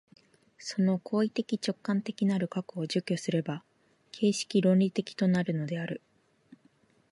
その行為的直観的なる核を除去すれば形式論理的となるのである。